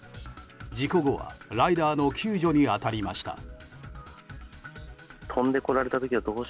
事故後はライダーの救助に当たりました。